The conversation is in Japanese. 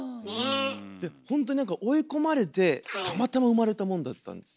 でほんとに何か追い込まれてたまたま生まれたもんだったんですね。